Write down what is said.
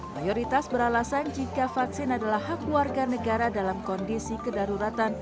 mayoritas beralasan jika vaksin adalah hak warga negara dalam kondisi kedaruratan